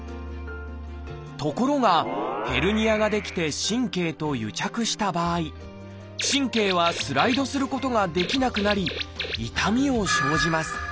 ところがヘルニアが出来て神経と癒着した場合神経はスライドすることができなくなり痛みを生じます。